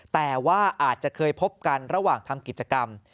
แต่ว่าอาจจะเคยพบกันระหว่างทำกิจกรรม